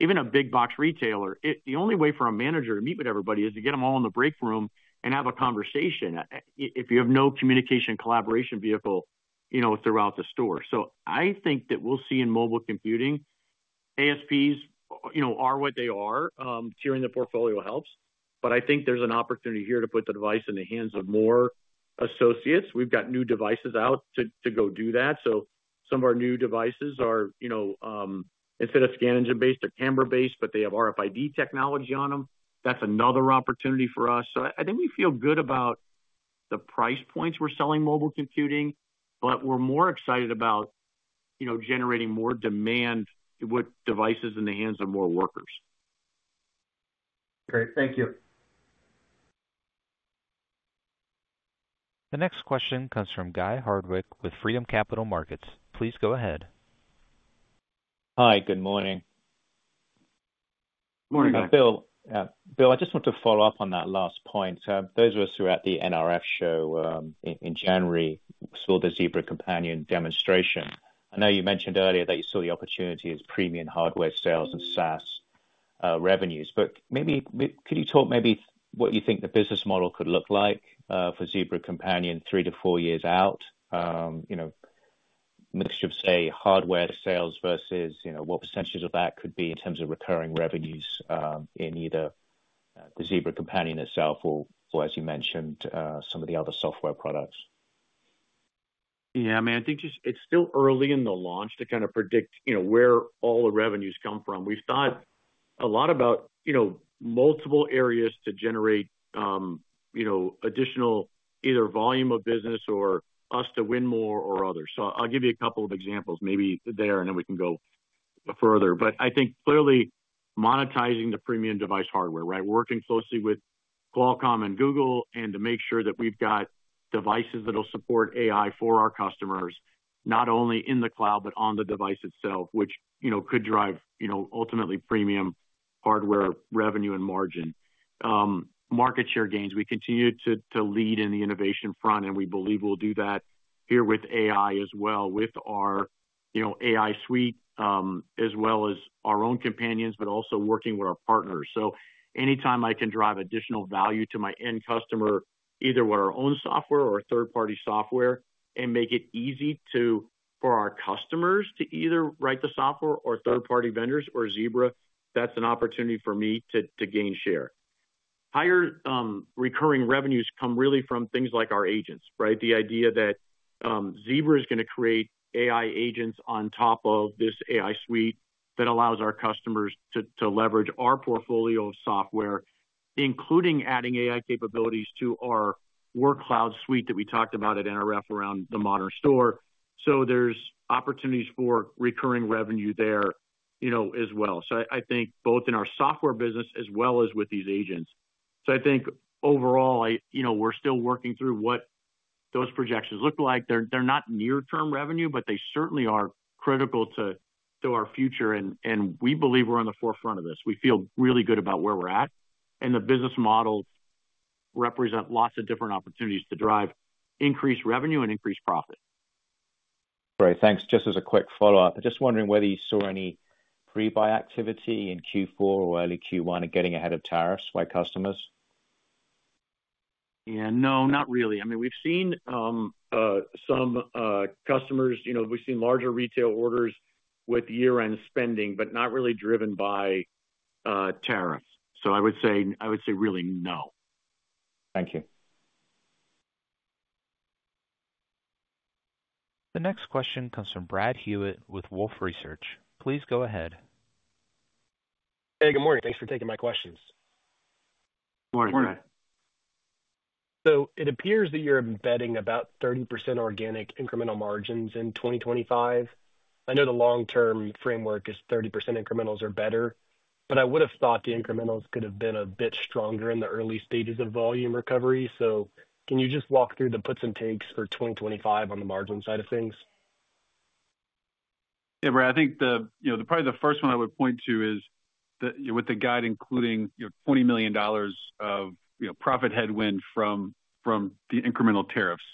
even a big box retailer. The only way for a manager to meet with everybody is to get them all in the break room and have a conversation if you have no communication collaboration vehicle throughout the store. So I think that we'll see in mobile computing ASPs are what they are. Tiering the portfolio helps. But I think there's an opportunity here to put the device in the hands of more associates. We've got new devices out to go do that. So some of our new devices are instead of scan engine-based or camera-based, but they have RFID technology on them. That's another opportunity for us. So I think we feel good about the price points we're selling mobile computing, but we're more excited about generating more demand with devices in the hands of more workers. Great. Thank you. The next question comes from Guy Hardwick with Freedom Capital Markets. Please go ahead. Hi. Good morning. Morning, guys. Bill, I just want to follow up on that last point. Those of us who were at the NRF show in January saw the Zebra Companion demonstration. I know you mentioned earlier that you saw the opportunity as premium hardware sales and SaaS revenues. But could you talk maybe what you think the business model could look like for Zebra Companion three to four years out, a mixture of, say, hardware sales versus what percentage of that could be in terms of recurring revenues in either the Zebra Companion itself or, as you mentioned, some of the other software products? Yeah. I mean, I think it's still early in the launch to kind of predict where all the revenues come from. We've thought a lot about multiple areas to generate additional either volume of business or us to win more or others. So I'll give you a couple of examples maybe there, and then we can go further. But I think clearly monetizing the premium device hardware, right? We're working closely with Qualcomm and Google to make sure that we've got devices that will support AI for our customers, not only in the cloud, but on the device itself, which could drive ultimately premium hardware revenue and margin. Market share gains. We continue to lead in the innovation front, and we believe we'll do that here with AI as well, with our AI suite as well as our own companions, but also working with our partners. So anytime I can drive additional value to my end customer, either with our own software or third-party software, and make it easy for our customers to either write the software or third-party vendors or Zebra, that's an opportunity for me to gain share. Higher recurring revenues come really from things like our agents, right? The idea that Zebra is going to create AI agents on top of this AI suite that allows our customers to leverage our portfolio of software, including adding AI capabilities to our Workcloud suite that we talked about at NRF around the Modern Store. So there's opportunities for recurring revenue there as well. So I think both in our software business as well as with these agents. So I think overall, we're still working through what those projections look like. They're not near-term revenue, but they certainly are critical to our future. We believe we're on the forefront of this. We feel really good about where we're at. The business model represents lots of different opportunities to drive increased revenue and increased profit. Great. Thanks. Just as a quick follow-up, I'm just wondering whether you saw any pre-buy activity in Q4 or early Q1 and getting ahead of tariffs by customers? Yeah. No, not really. I mean, we've seen some customers. We've seen larger retail orders with year-end spending, but not really driven by tariffs. So I would say really no. Thank you. The next question comes from Brad Hewitt with Wolfe Research. Please go ahead. Hey, good morning. Thanks for taking my questions. Good morning. So it appears that you're embedding about 30% organic incremental margins in 2025. I know the long-term framework is 30% incrementals are better, but I would have thought the incrementals could have been a bit stronger in the early stages of volume recovery. So can you just walk through the puts and takes for 2025 on the margin side of things? Yeah, Brad, I think probably the first one I would point to is with the guide including $20 million of profit headwind from the incremental tariffs.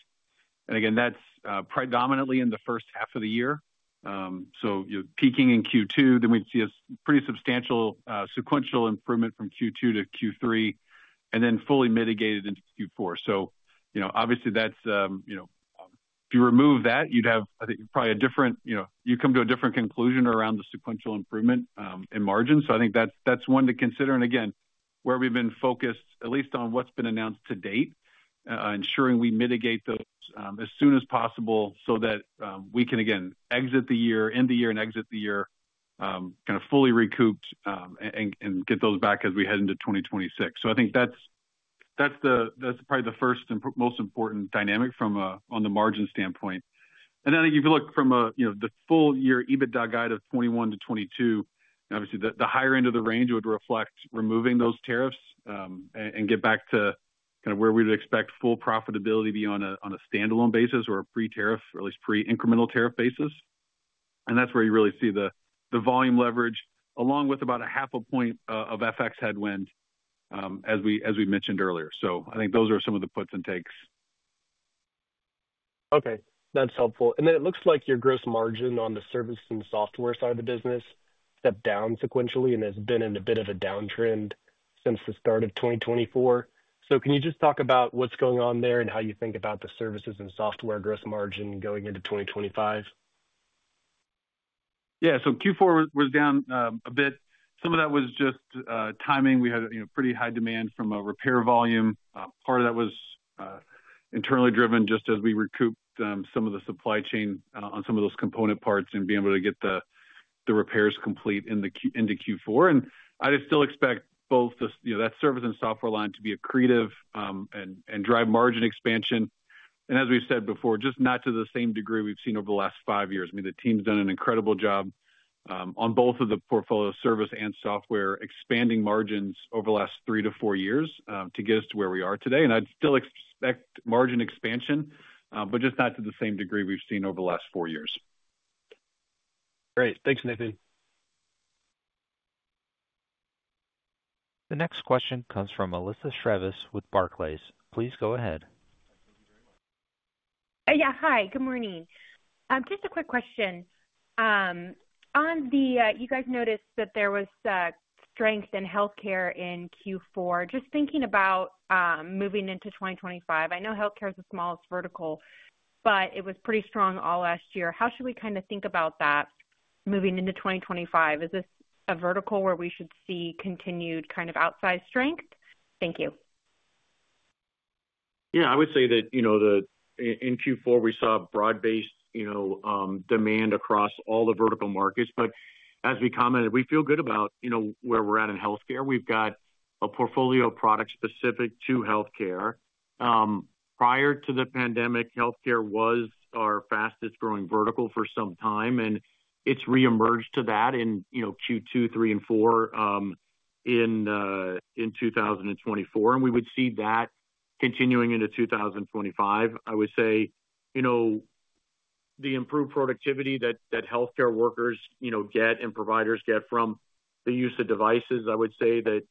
And again, that's predominantly in the first half of the year. So peaking in Q2, then we'd see a pretty substantial sequential improvement from Q2 to Q3, and then fully mitigated into Q4. So obviously, if you remove that, you'd probably come to a different conclusion around the sequential improvement in margins. So I think that's one to consider. And again, where we've been focused, at least on what's been announced to date, ensuring we mitigate those as soon as possible so that we can, again, end the year kind of fully recouped and get those back as we head into 2026. I think that's probably the first and most important dynamic from a margin standpoint. I think if you look from the full year EBITDA guide of 21% to 22%, obviously, the higher end of the range would reflect removing those tariffs and get back to kind of where we would expect full profitability be on a standalone basis or a pre-tariff, or at least pre-incremental tariff basis. That's where you really see the volume leverage, along with about a half a point of FX headwind, as we mentioned earlier. I think those are some of the puts and takes. Okay. That's helpful. And then it looks like your gross margin on the services and software side of the business stepped down sequentially and has been in a bit of a downtrend since the start of 2024. So can you just talk about what's going on there and how you think about the services and software gross margin going into 2025? Yeah, so Q4 was down a bit. Some of that was just timing. We had pretty high demand from a repair volume. Part of that was internally driven just as we recouped some of the supply chain on some of those component parts and being able to get the repairs complete into Q4, and I'd still expect both that service and software line to be accretive and drive margin expansion, and as we've said before, just not to the same degree we've seen over the last five years. I mean, the team's done an incredible job on both of the portfolio service and software expanding margins over the last three to four years to get us to where we are today, and I'd still expect margin expansion, but just not to the same degree we've seen over the last four years. Great. Thanks, Nathan. The next question comes from Melissa Shravis with Barclays. Please go ahead. Yeah. Hi. Good morning. Just a quick question. You guys noticed that there was strength in healthcare in Q4. Just thinking about moving into 2025, I know healthcare is the smallest vertical, but it was pretty strong all last year. How should we kind of think about that moving into 2025? Is this a vertical where we should see continued kind of outsized strength? Thank you. Yeah. I would say that in Q4, we saw broad-based demand across all the vertical markets. But as we commented, we feel good about where we're at in healthcare. We've got a portfolio of products specific to healthcare. Prior to the pandemic, healthcare was our fastest-growing vertical for some time, and it's reemerged to that in Q2, Q3, and Q4 in 2024, and we would see that continuing into 2025. I would say the improved productivity that healthcare workers get and providers get from the use of devices. I would say that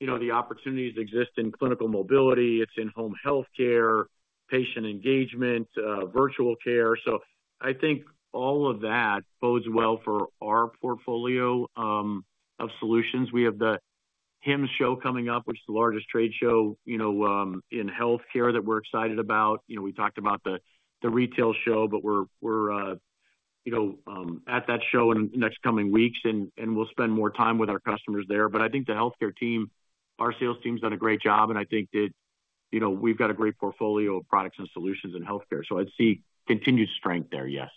the opportunities exist in clinical mobility. It's in home healthcare, patient engagement, virtual care, so I think all of that bodes well for our portfolio of solutions. We have the HIMSS show coming up, which is the largest trade show in healthcare that we're excited about. We talked about the retail show, but we're at that show in the next coming weeks, and we'll spend more time with our customers there. But I think the healthcare team, our sales team's done a great job, and I think that we've got a great portfolio of products and solutions in healthcare. So I'd see continued strength there, yes.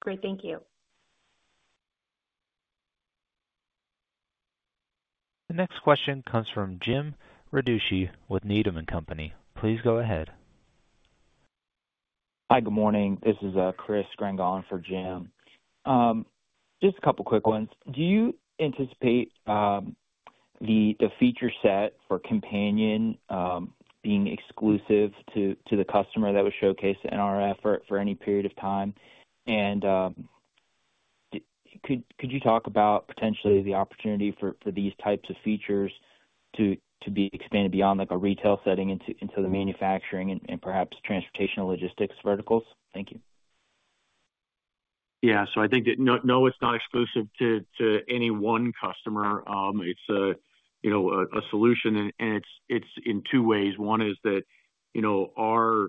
Great. Thank you. The next question comes from Jim Ricchiuti with Needham & Company. Please go ahead. Hi. Good morning. This is Chris Grenga for Jim. Just a couple of quick ones. Do you anticipate the feature set for Companion being exclusive to the customer that was showcased in NRF for any period of time? And could you talk about potentially the opportunity for these types of features to be expanded beyond a retail setting into the manufacturing and perhaps transportation logistics verticals? Thank you. Yeah. So I think that no, it's not exclusive to any one customer. It's a solution, and it's in two ways. One is that our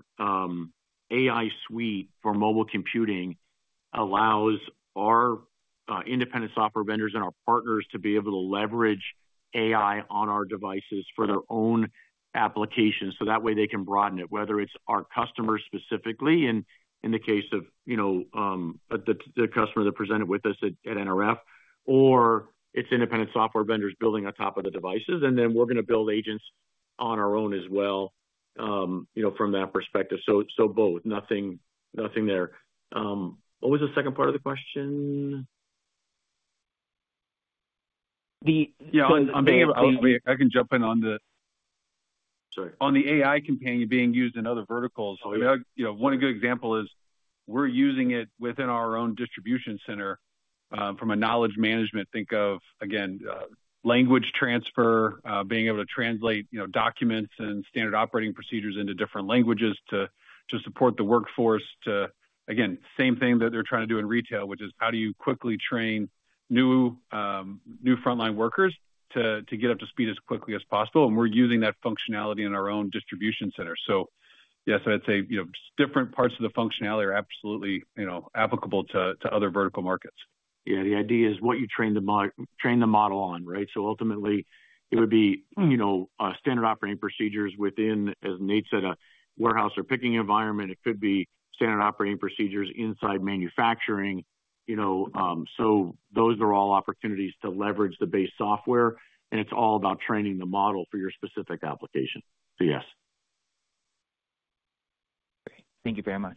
AI suite for mobile computing allows our independent software vendors and our partners to be able to leverage AI on our devices for their own applications. So that way, they can broaden it, whether it's our customers specifically in the case of the customer that presented with us at NRF, or it's independent software vendors building on top of the devices. And then we're going to build agents on our own as well from that perspective. So both. Nothing there. What was the second part of the question? Yeah. I'm being able to. I can jump in on the. Sorry. On the AI companion being used in other verticals. One good example is we're using it within our own distribution center from a knowledge management. Think of, again, language transfer, being able to translate documents and standard operating procedures into different languages to support the workforce. Again, same thing that they're trying to do in retail, which is how do you quickly train new frontline workers to get up to speed as quickly as possible? And we're using that functionality in our own distribution center. So yes, I'd say different parts of the functionality are absolutely applicable to other vertical markets. Yeah. The idea is what you train the model on, right? So ultimately, it would be standard operating procedures within, as Nate said, a warehouse or picking environment. It could be standard operating procedures inside manufacturing. So those are all opportunities to leverage the base software. And it's all about training the model for your specific application. So yes. Great. Thank you very much.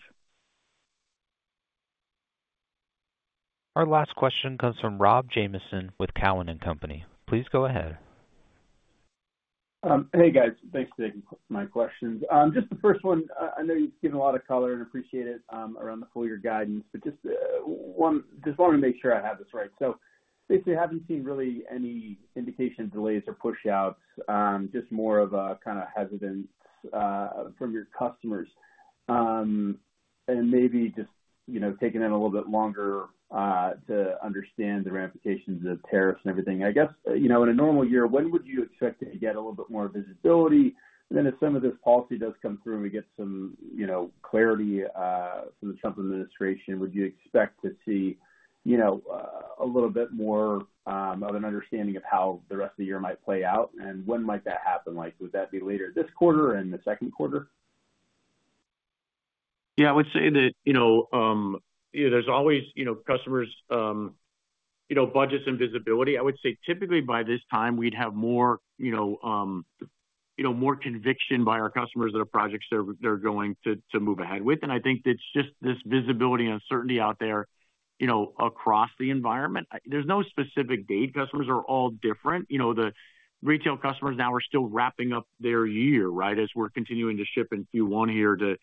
Our last question comes from Rob Jamieson with TD Cowen. Please go ahead. Hey, guys. Thanks for taking my questions. Just the first one. I know you've given a lot of color and appreciate it around the full year guidance, but just wanted to make sure I have this right. So basically, haven't seen really any indication of delays or push-outs, just more of a kind of hesitance from your customers. And maybe just taking it a little bit longer to understand the ramifications of tariffs and everything. I guess in a normal year, when would you expect to get a little bit more visibility? And then if some of this policy does come through and we get some clarity from the Trump administration, would you expect to see a little bit more of an understanding of how the rest of the year might play out? And when might that happen? Would that be later this quarter and the second quarter? Yeah. I would say that there's always customers' budgets and visibility. I would say typically by this time, we'd have more conviction by our customers that a project they're going to move ahead with. And I think it's just this visibility and uncertainty out there across the environment. There's no specific date. Customers are all different. The retail customers now are still wrapping up their year, right, as we're continuing to ship in Q1 here to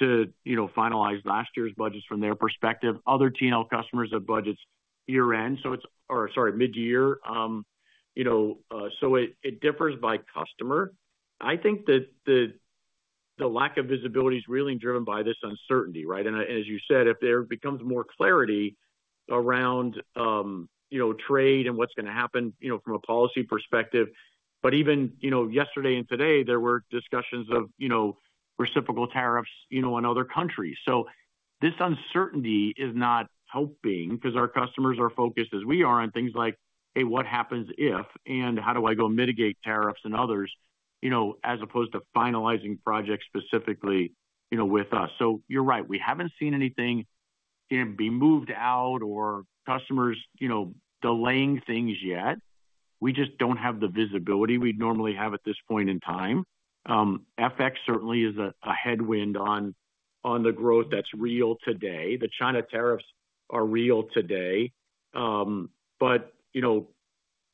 finalize last year's budgets from their perspective. Other T&L customers have budgets year-end or sorry, mid-year. So it differs by customer. I think that the lack of visibility is really driven by this uncertainty, right? And as you said, if there becomes more clarity around trade and what's going to happen from a policy perspective. But even yesterday and today, there were discussions of reciprocal tariffs in other countries. So this uncertainty is not helping because our customers are focused as we are on things like, "Hey, what happens if? And how do I go mitigate tariffs and others?" as opposed to finalizing projects specifically with us. So you're right. We haven't seen anything be moved out or customers delaying things yet. We just don't have the visibility we'd normally have at this point in time. FX certainly is a headwind on the growth that's real today. The China tariffs are real today. But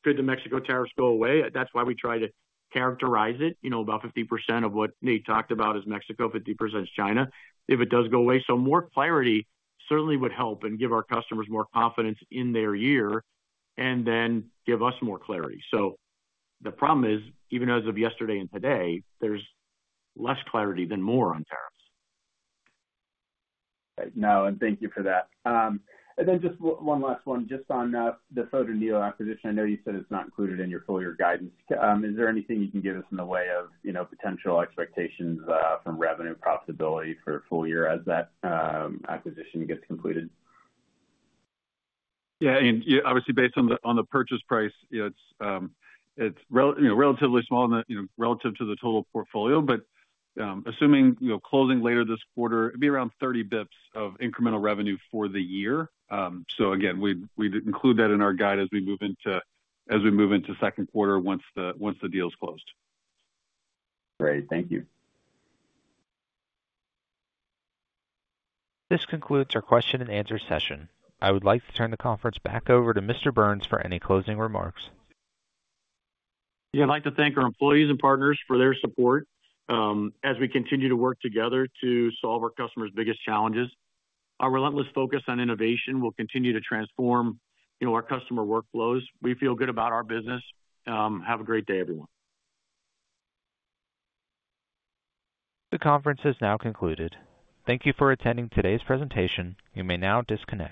could the Mexico tariffs go away? That's why we try to characterize it. About 50% of what Nate talked about is Mexico, 50% is China. If it does go away, so more clarity certainly would help and give our customers more confidence in their year and then give us more clarity. The problem is, even as of yesterday and today, there's less clarity than more on tariffs. Now and thank you for that. And then just one last one. Just on the Photoneo acquisition, I know you said it's not included in your full year guidance. Is there anything you can give us in the way of potential expectations from revenue profitability for full year as that acquisition gets completed? Yeah. And obviously, based on the purchase price, it's relatively small relative to the total portfolio. But assuming closing later this quarter, it'd be around 30 basis points of incremental revenue for the year. So again, we'd include that in our guide as we move into second quarter once the deal is closed. Great. Thank you. This concludes our question-and-answer session. I would like to turn the conference back over to Mr. Burns for any closing remarks. Yeah. I'd like to thank our employees and partners for their support as we continue to work together to solve our customers' biggest challenges. Our relentless focus on innovation will continue to transform our customer workflows. We feel good about our business. Have a great day, everyone. The conference has now concluded. Thank you for attending today's presentation. You may now disconnect.